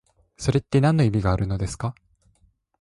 それってなんの意味があるのですか？